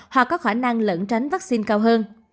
hoặc có khả năng lẫn tránh vaccine cao hơn